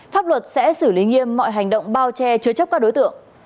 pháp luật sẽ xử lý nghiêm mọi hành động bao che chứa chấp các đối tượng